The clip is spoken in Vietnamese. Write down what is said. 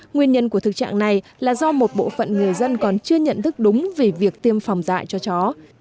nguyên nhân của thực trạng này là do một bộ phận người dân còn chưa nhận thức đúng về việc tiêm phòng dại cho chó